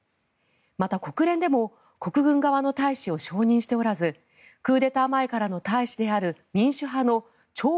また国連でも国軍側の大使を承認しておらずクーデター前からの大使である民主派のチョー・